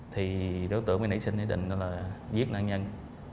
thì đối tượng mới nảy sinh ý định là giết nạn nhân